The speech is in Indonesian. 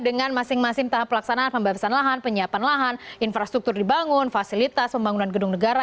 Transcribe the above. dengan masing masing tahap pelaksanaan pembatasan lahan penyiapan lahan infrastruktur dibangun fasilitas pembangunan gedung negara